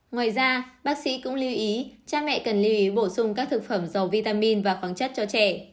ngoài ra bác sĩ cũng lưu ý cha mẹ cần lưu ý bổ sung các thực phẩm dầu vitamin và khoáng chất cho trẻ